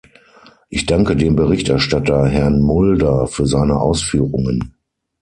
Ich danke dem Berichterstatter, Herrn Mulder, für seine Ausführungen.